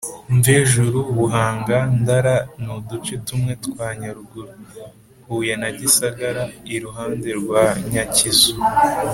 Mvejuru, buhanga, ndara Ni uduce tumwe twa Nyaruguru, Huye na Gisagara (iruhande rwa Nyakizu)